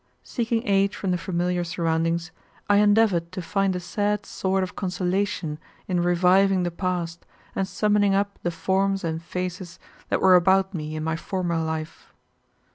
Seeking aid from the familiar surroundings, I endeavored to find a sad sort of consolation in reviving the past and summoning up the forms and faces that were about me in my former life.